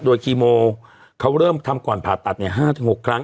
โดยคีโมเขาเริ่มทำก่อนผ่าตัด๕๖ครั้ง